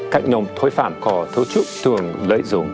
các nhóm thối phạm có thấu trúc thường lợi dụng